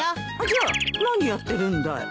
じゃあ何やってるんだい？